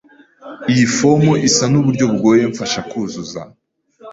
Iyi fomu isa nuburyo bugoye. Mfasha kuzuza.